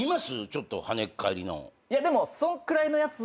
ちょっと跳ねっ返りの。